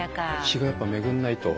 血がやっぱ巡んないと。